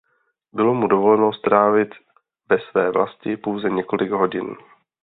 Bylo mu dovoleno strávit ve své vlasti pouze několik hodin.